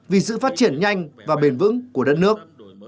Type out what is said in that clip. vì sự phát triển nhanh và bền vững của đất nước